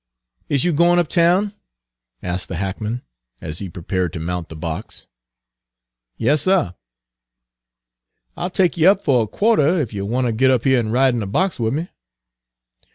"Is you goin' uptown?" asked the hackman, as he prepared to mount the box. "Yas, suh." "I'll take you up fo' a quahtah, ef you Page 229 want ter git up here an' ride on de box wid me."